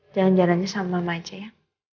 jalan jalannya sama aja ya